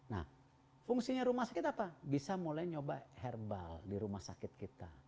nah fungsinya rumah sakit apa bisa mulai nyoba herbal di rumah sakit kita